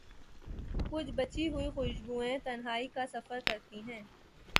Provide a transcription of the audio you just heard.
کچھ بچی ہوئی خوشبویں تنہائی کا سفر کرتی ہیں۔